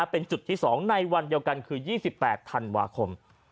เป็นจุดที่๒ในวันเดียวกันคือ๒๘ธันวาคม